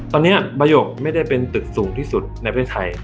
ตอนนี้ใบกไม่ได้เป็นตึกสูงที่สุดในประเทศไทย